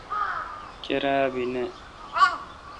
کیراب نہ۔